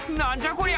こりゃ！